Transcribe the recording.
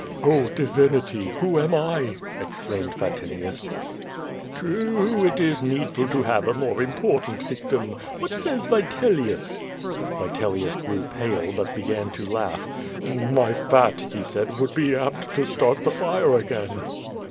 'Oh divinity! who am I?" exclaimed Vatinius. True, it is needful to have a more important victim. What says Vitelius?" Vitelius grew pale, but began to laugh. "My fat," he said, "would be apt to start the fire again."